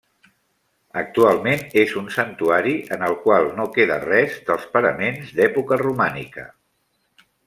Actualment és un santuari en el qual no queda res dels paraments d'època romànica.